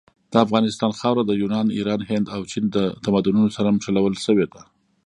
د افغانستان خاوره د یونان، ایران، هند او چین تمدنونو سره نښلول سوي ده.